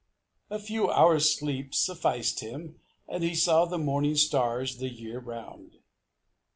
A few hours' sleep sufficed him, and he saw the morning stars the year round.